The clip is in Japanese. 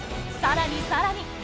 さらにさらに！